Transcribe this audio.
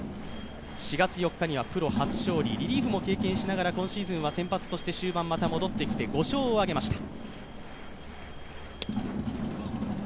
４月４日にはプロ初勝利リリーフも経験しながら今シーズンは先発として終盤また戻ってきて５勝を上げました。